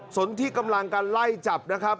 สนที่กำลังกันไล่จับนะครับ